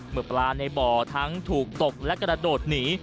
เมื่อปลาในบ่อทั้งถูกตกและกระโดดหนี